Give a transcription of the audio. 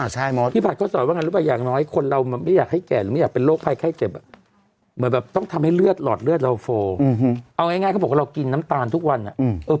พี่ผัดเขาสอนว่างั้นหรือเปล่าอย่างน้อยคนเราไม่อยากให้แก่หรือไม่อยากเป็นโรคภัยไข้เจ็บอ่ะเหมือนแบบต้องทำให้เลือดหลอดเลือดเราโฟลเอาง่ายเขาบอกว่าเรากินน้ำตาลทุกวันอ่ะ